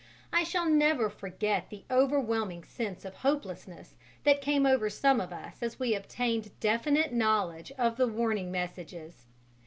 I shall never forget the overwhelming sense of hopelessness that came over some of us as we obtained definite knowledge of the warning messages.